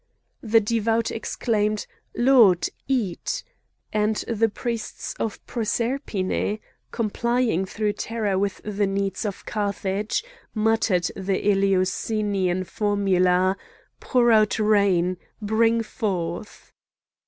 The devout exclaimed: "Lord! eat!" and the priests of Proserpine, complying through terror with the needs of Carthage, muttered the Eleusinian formula: "Pour out rain! bring forth!"